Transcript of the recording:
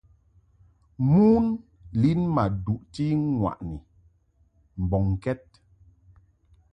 Mon lin ma duʼti ŋwaʼni mbɔŋkɛd.